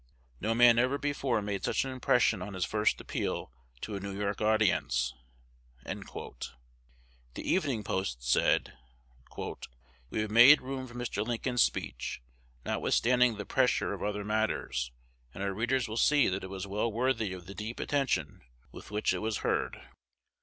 No man ever before made such an impression on his first appeal to a New York audience." "The Evening Post" said, "We have made room for Mr. Lincoln's speech, notwithstanding the pressure of other matters; and our readers will see that it was well worthy of the deep attention with which it was heard."